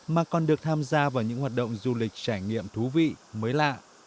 mà còn được tham gia vào những hoạt động du lịch trải nghiệm thú vị mới lạ